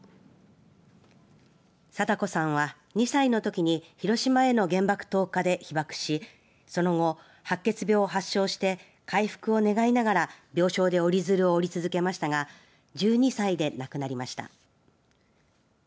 禎子さんは２歳のときに広島への原爆投下で被爆しその後、白血病を発症して回復を願いながら病床で折り鶴を折り続けましたが１２歳で亡くなりました。